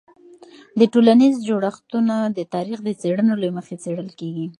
د ټولنیز جوړښتونه د تاریخ د څیړنو له مخې څیړل کېږي.